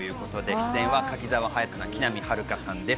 出演は柿澤勇人さん、木南晴夏さんです。